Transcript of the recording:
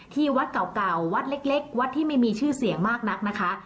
ที่วัดเก่าวัดเล็กวัดที่ไม่มีชื่อเสียงมากนักนะคะ